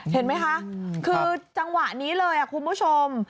เห็นไหมคะคือจังหวะนี้เลยคุณผู้ชม